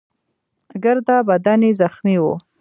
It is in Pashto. ګرده بدن يې زخمي وو.